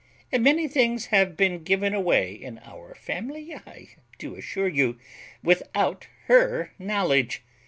Many things have been given away in our family, I do assure you, without her knowledge.